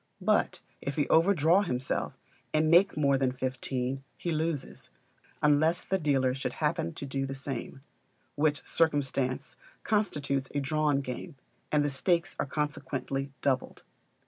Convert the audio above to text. But if he overdraw himself, and make more than fifteen, he loses, unless the dealer should happen to do the same; which circumstance constitutes a drawn game; and the stakes are consequently doubled.